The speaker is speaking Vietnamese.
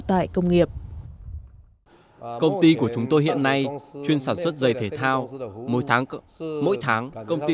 tải công nghiệp công ty của chúng tôi hiện nay chuyên sản xuất giày thể thao mỗi tháng công ty